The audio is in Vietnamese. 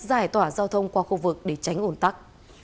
giải tỏa giao thông qua khu vực để tránh ồn tắc